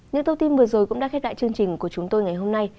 những thông tin vừa rồi cũng đã khép lại chương trình của chúng tôi ngày hôm nay